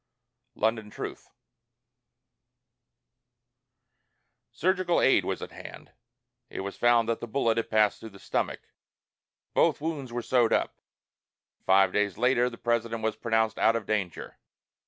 London Truth. Surgical aid was at hand. It was found that the bullet had passed through the stomach; both wounds were sewed up, and five days later the President was pronounced out of danger.